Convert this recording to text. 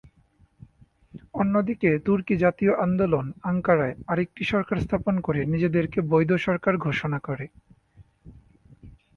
অন্যদিকে তুর্কি জাতীয় আন্দোলন আঙ্কারায় আরেকটি সরকার স্থাপন করে নিজেদেরকে বৈধ সরকার ঘোষণা করে।